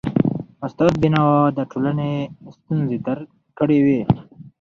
استاد بينوا د ټولنې ستونزي درک کړی وي.